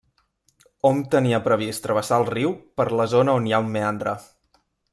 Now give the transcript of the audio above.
Hom tenia previst travessar el riu per la zona on hi ha un meandre.